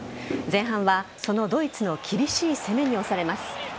前半はそのドイツの厳しい攻めに押されます。